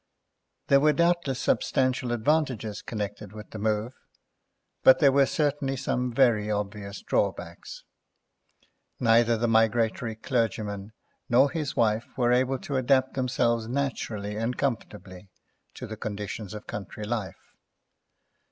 There were doubtless substantial advantages connected with the move, but there were certainly some very obvious drawbacks. Neither the migratory clergyman nor his wife were able to adapt themselves naturally and comfortably to the conditions of country life.